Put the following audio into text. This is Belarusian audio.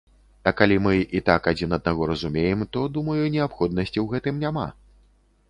А калі мы і так адзін аднаго разумеем, то, думаю, неабходнасці ў гэтым няма.